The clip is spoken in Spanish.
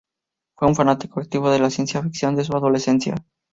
Fue un fanático activo de la ciencia ficción desde su adolescencia.